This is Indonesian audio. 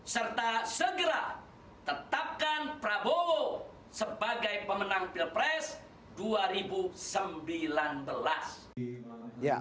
serta segera tetapkan prabowo sebagai pemenang pilpres dua ribu sembilan belas